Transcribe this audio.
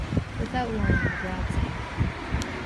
Without warning, the ground sank.